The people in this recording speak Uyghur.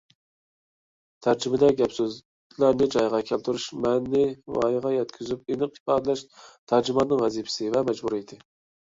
تەرجىمىدە گەپ - سۆزلەرنى جايىغا كەلتۈرۈش، مەنىنى ۋايىغا يەتكۈزۈپ ئېنىق ئىپادىلەش تەرجىماننىڭ ۋەزىپىسى ۋە مەجبۇرىيىتى.